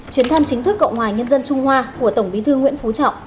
chuyến thăm chính thức cộng hòa nhân dân trung hoa của tổng bí thư nguyễn phú trọng